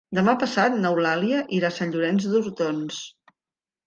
Demà passat n'Eulàlia irà a Sant Llorenç d'Hortons.